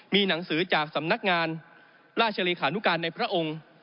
มีหนังสือจากสำนักงานราชเลขานุการในพระองค์